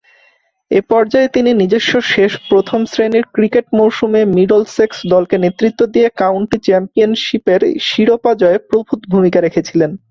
এ পর্যায়ে তিনি নিজস্ব শেষ প্রথম-শ্রেণীর ক্রিকেট মৌসুমে মিডলসেক্স দলকে নেতৃত্ব দিয়ে কাউন্টি চ্যাম্পিয়নশীপের শিরোপা জয়ে প্রভূতঃ ভূমিকা রেখেছিলেন।